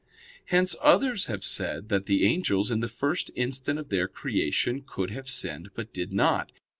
Hence others have said that the angels, in the first instant of their creation, could have sinned, but did not.